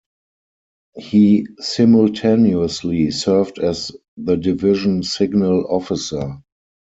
He simultaneously served as the Division Signal Officer.